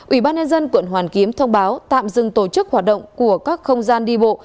ủy ban nhân dân quận hoàn kiếm thông báo tạm dừng tổ chức hoạt động của các không gian đi bộ